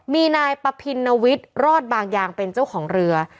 มีนายปะพินวิทย์รอดบางยางเป็นเจ้าของเรือ